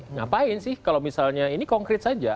ngapain sih kalau misalnya ini konkret saja